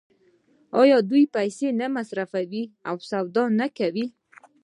آیا دوی پیسې نه مصرفوي او سودا نه کوي؟